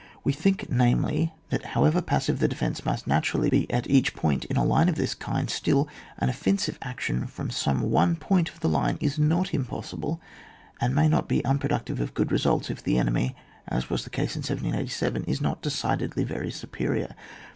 We think, namely, that however pas sive the defence must naturally be at each point in a line of this kind, still an offensive action from some one point of the line is not impossible, and may not be unproductive of good results if the enemy, as was the case in 1787, is not decidedly very superior.